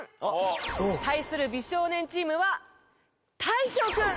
対する美少年チームは大昇君。